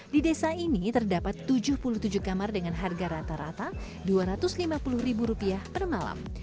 di desa ini terdapat tujuh puluh tujuh kamar dengan harga rata rata rp dua ratus lima puluh per malam